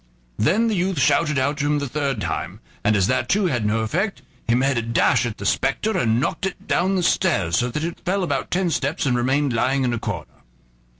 Then the youth shouted out to him the third time, and as that too had no effect, he made a dash at the spectre and knocked it down the stairs, so that it fell about ten steps and remained lying in a corner.